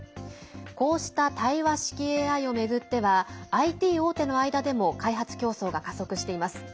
こうした対話式ＡＩを巡ってはＩＴ大手の間でも開発競争が加速しています。